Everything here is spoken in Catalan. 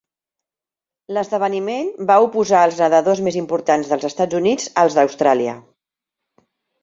L'esdeveniment va oposar els nedadors més importants dels Estats Units als d'Austràlia.